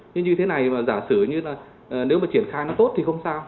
thế như thế này mà giả sử như là nếu mà triển khai nó tốt thì không sao